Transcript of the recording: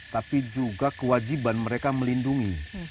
tapi juga kewajiban mereka melindungi